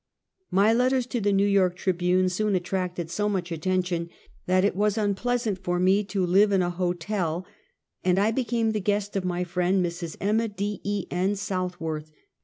My letters to the New York Tribune, soon attracted so much attention that is was unpleasant for me to live in a hotel, and I became the guest of my friend Mrs. Emma D. E. IT. Southworth.